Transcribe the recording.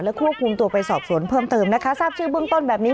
ควบคุมตัวไปสอบสวนเพิ่มเติมนะคะทราบชื่อเบื้องต้นแบบนี้